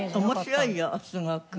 面白いよすごく。